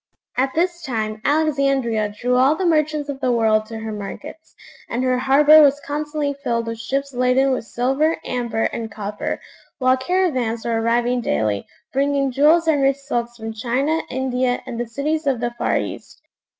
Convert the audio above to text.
At this time Alexandria drew all the merchants of the world to her markets; and her harbour was constantly filled with ships laden with silver, amber, and copper; while caravans were arriving daily, bringing jewels and rich silks from China, India, and the cities of the far East.